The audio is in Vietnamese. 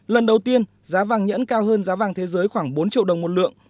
lần đầu tiên giá vàng nhẫn cao hơn giá vàng thế giới khoảng bốn triệu đồng một lượng